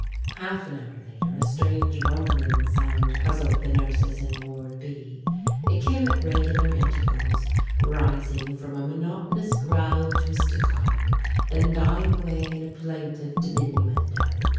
Half an hour later a strange rumbling sound puzzled the nurses in Ward B. It came at regular intervals, rising from a monotonous growl to a staccato, then dying away in a plaintive diminuendo.